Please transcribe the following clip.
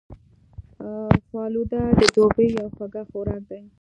فالوده د دوبي یو خوږ خوراک دی